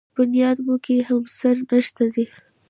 بنیاد مو کې همسر نشته دی.